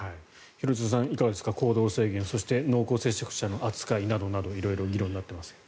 廣津留さん、いかがですか行動制限、そして濃厚接触者の扱いなどなど色々議論になっています。